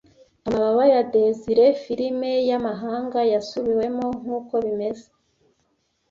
Amababa ya Desire firime yamahanga yasubiwemo nkuko bimeze